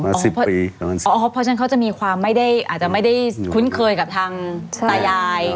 เพราะฉะนั้นเขาจะมีความไม่ได้อาจจะไม่ได้คุ้นเคยกับทางตายาย